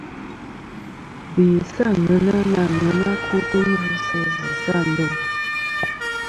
Be sɨ àŋena na aŋena kutɨ ngvɨsɨ zɨsɨ a ndo.